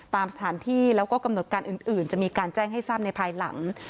ตามสถานที่แล้วก็กำหนดการอื่นจะมีการแจ้งให้ทราบในภายหลัง